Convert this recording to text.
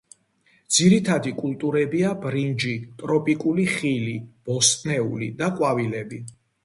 ძირითადი კულტურებია ბრინჯი, ტროპიკული ხილი, ბოსტნეული და ყვავილები.